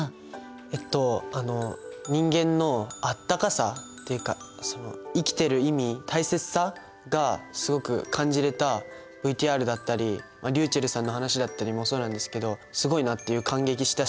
えっとあの人間のあったかさっていうか生きてる意味大切さがすごく感じれたＶＴＲだったりりゅうちぇるさんの話だったりもそうなんですけどすごいなって感激したし。